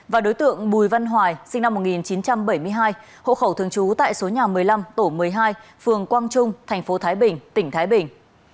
và đối tượng bùi văn hoài sinh năm một nghìn chín trăm bảy mươi hai hộ khẩu thường trú tại số nhà một mươi năm tổ một mươi hai phường quang trung tp thái bình tỉnh thái bình